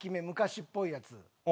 昔っぽいやつ。